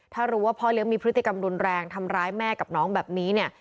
ถ้ารู้ว่าพ่อเลี้ยงมีพฤติกรรมรุนแรงทำร้ายแม่กับน้องแบบนี้เนี่ย